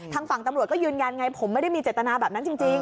ทางฝั่งตำรวจก็ยืนยันไงผมไม่ได้มีเจตนาแบบนั้นจริง